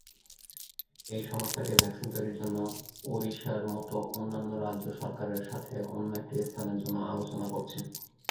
এই সংস্থাটি ভ্যাকসিন তৈরির জন্য ওড়িশার মতো অন্যান্য রাজ্য সরকারের সাথে অন্য একটি স্থানের জন্য আলোচনা করছে।